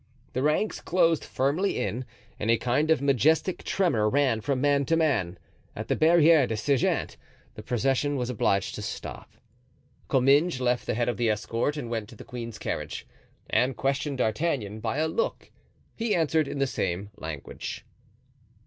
The ranks closed firmly in and a kind of majestic tremor ran from man to man. At the Barriere des Sergents the procession was obliged to stop. Comminges left the head of the escort and went to the queen's carriage. Anne questioned D'Artagnan by a look. He answered in the same language.